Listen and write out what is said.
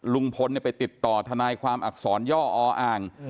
ลุงพลไปติดต่อทนายความอักษรย่ออ่าง